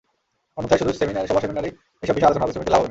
অন্যথায় শুধু সভা সেমিনারেই এসব বিষয়ে আলোচনা হবে, শ্রমিকদের লাভ হবে না।